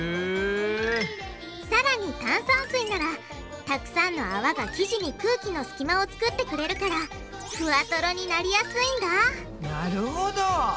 さらに炭酸水ならたくさんの泡が生地に空気の隙間を作ってくれるからフワトロになりやすいんだなるほど！